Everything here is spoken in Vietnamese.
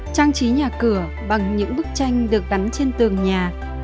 trang trí nhà cửa bằng những bức tranh được gắn trên tường nhà